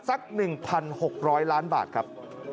สัก๑๖๐๐ล้านบาทครับ